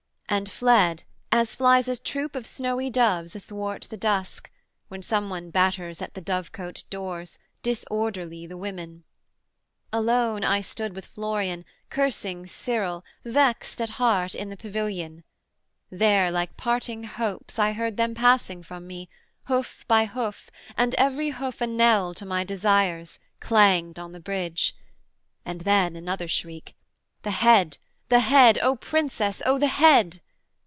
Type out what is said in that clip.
and fled, as flies A troop of snowy doves athwart the dusk, When some one batters at the dovecote doors, Disorderly the women. Alone I stood With Florian, cursing Cyril, vext at heart, In the pavilion: there like parting hopes I heard them passing from me: hoof by hoof, And every hoof a knell to my desires, Clanged on the bridge; and then another shriek, 'The Head, the Head, the Princess, O the Head!'